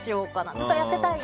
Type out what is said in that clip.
ずっとやっていたいな。